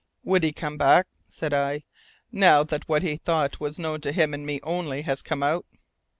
"Would he come back," said I, "now that what he thought was known to him and me only has come out?"